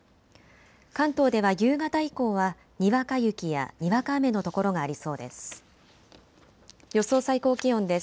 関東では夕方以降はにわか雪やにわか雨の所がありそうです。